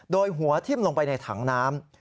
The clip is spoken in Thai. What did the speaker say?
โดยหัวทิ้มลงไปในถังน้ำ